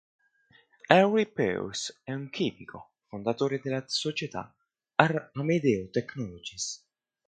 Henry Pierce è un chimico, fondatore della società "Amedeo Technologies".